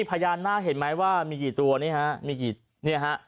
พญานาคเห็นไหมว่ามีกี่ตัวนี่ฮะมีกี่เนี่ยฮะ